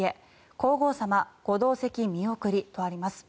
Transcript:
皇后さま、ご同席見送りとあります。